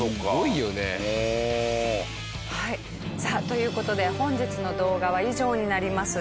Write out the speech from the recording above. という事で本日の動画は以上になります。